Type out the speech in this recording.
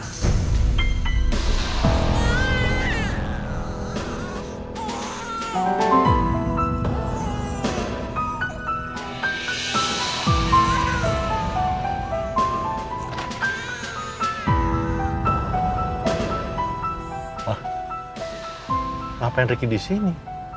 kenapa enriki di sini